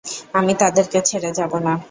আমি তাদেরকে ছেড়ে যাবো না।